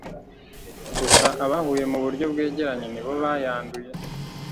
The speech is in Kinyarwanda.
gusa abahuye mu buryo bwegeranye ni bo bayanduye.